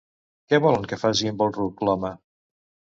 Què volen que faci amb el ruc, l'home?